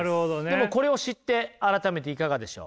でもこれを知って改めていかがでしょう？